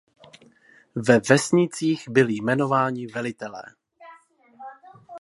Ve vesnicích byli jmenováni velitelé.